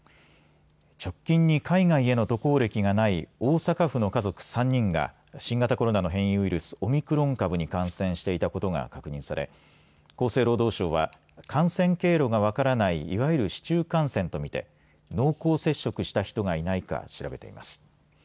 直近に海外への渡航歴がない大阪府の家族３人が新型コロナの変異ウイルス、オミクロン株に感染していたことが確認され厚生労働省は感染経路が分からないいわゆる市中感染と見て濃厚接触した人がいないか調べています。